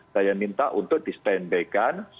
saya minta untuk di stand back an